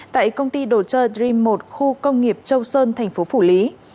tại công ty đồ chơ dream một khu công nghiệp châu sơn thành phố phủ lý